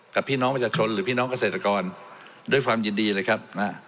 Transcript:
พี่น้องประชาชนหรือพี่น้องเกษตรกรด้วยความยินดีเลยครับนะ